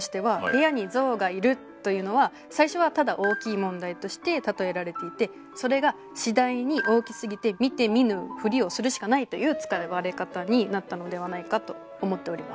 「部屋に象がいる」というのは最初はただ大きい問題としてたとえられていてそれが次第に大きすぎて見て見ぬふりをするしかないという使われ方になったのではないかと思っております。